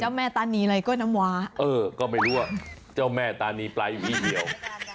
เจ้าแม่ตาหนีอะไรก้วยน้ำวาเออก็ไม่รู้อ่ะเจ้าแม่ตาหนีปลายอยู่ที่เดียว